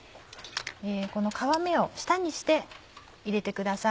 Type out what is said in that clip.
この皮目を下にして入れてください。